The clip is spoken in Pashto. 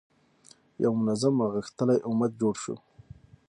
یو منظم او غښتلی امت جوړ شو.